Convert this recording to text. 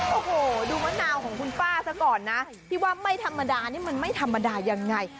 โอ้โหดูมะนาวของคุณป้าซะก่อนนะที่ว่าไม่ธรรมดานี่มันไม่ธรรมดายังไง